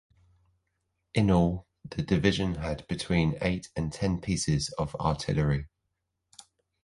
In all, the division had between eight and ten pieces of artillery.